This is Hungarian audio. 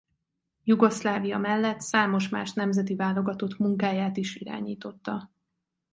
Jugoszlávia mellett számos más nemzeti válogatott munkáját is irányította.